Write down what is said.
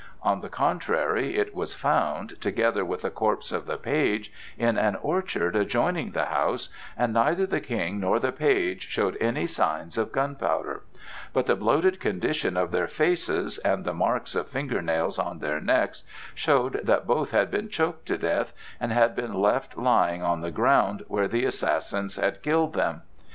On the contrary, it was found, together with the corpse of the page, in an orchard adjoining the house, and neither the King nor the page showed any marks of gunpowder; but the bloated condition of their faces and the marks of finger nails on their necks showed that both had been choked to death and had been left lying on the ground where the assassins had killed them.